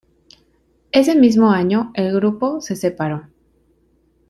Ese mismo año, el grupo se separó.